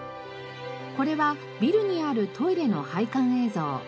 これはビルにあるトイレの配管映像。